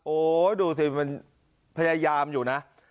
โอ้โหดูสิมันพยายามอยู่นะ